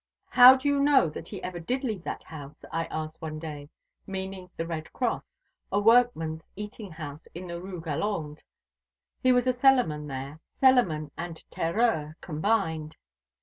'How do you know that he ever did leave that house?' I asked one day, meaning the Red Cross, a workman's eating house in the Rue Galande. He was cellarman there, cellarman and terreur combined.